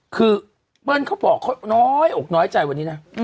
คือเปิ้ลเขาบอกเขาน้อยอกน้อยใจวันนี้นะ